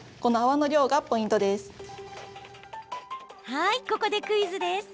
はい、ここでクイズです。